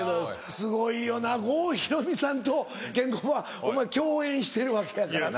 すごいよな郷ひろみさんとケンコバお前共演してるわけやからな。